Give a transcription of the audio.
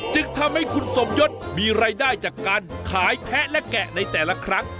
จึงทำให้คุณสมยศมีรายได้จากการขายแพะและแกะในแต่ละครั้ง